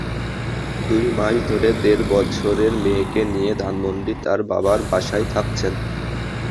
দুই মাস ধরে দেড় বছরের মেয়েকে নিয়ে ধানমন্ডি তাঁর বাবার বাসায় থাকছেন।